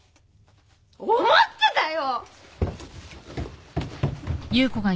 思ってたよ！